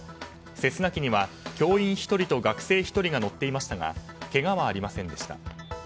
セスナ機には教員１人と学生１人が乗っていましたがけがはありませんでした。